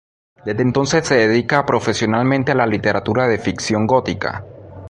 Desde entonces se dedica profesionalmente a la literatura de ficción gótica.